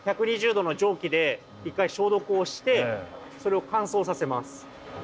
１２０℃の蒸気で一回消毒をしてそれを乾燥させます。